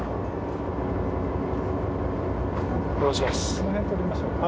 この辺採りましょうか。